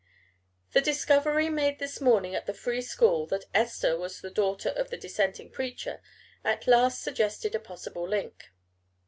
The discovery made this morning at the Free School that Esther was the daughter of the Dissenting preacher at last suggested a possible link.